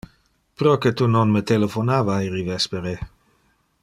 Proque tu non me telephonava heri vespere?